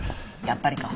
やっぱりか。